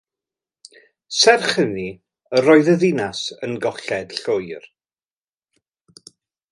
Serch hynny, roedd y ddinas yn golled llwyr.